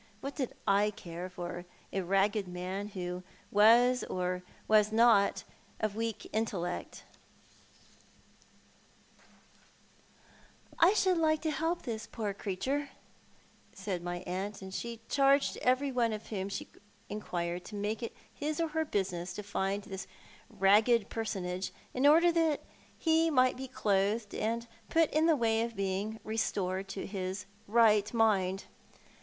Wiiat did I care for a ragged man who was or was not of weak intellect ? For Paternal Perusal. 25 " I should like to help this poor creature," said my aunt ; and she charged every one of whom she inquired to make it his or her business to find the ragged personage, in order that he might be clothed, and put in the way of being restored to his right mind.